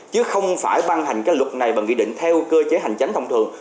chứ không phải băng hành cái luật này bằng nghị định theo cơ chế hành chánh thông thường